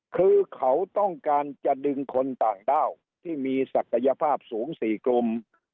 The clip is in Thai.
คือเขาต้องการจะดึงคนต่างด้าวที่มีศักยภาพสูง๔กลุ่ม